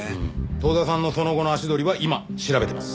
遠田さんのその後の足取りは今調べてます。